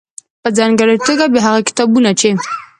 .په ځانګړې توګه بيا هغه کتابونه چې